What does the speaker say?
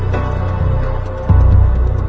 เป็นความสำคัญ